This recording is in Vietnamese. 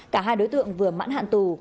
cả hai đối tượng vừa mãn hạn tù